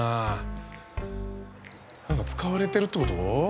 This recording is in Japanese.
何か使われてるってこと？